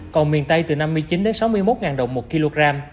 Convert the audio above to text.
còn miền tây từ năm mươi chín sáu mươi một đồng một kg